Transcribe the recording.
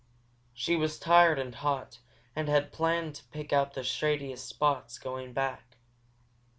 She was tired and hot, and she had planned to pick out the shadiest paths going back.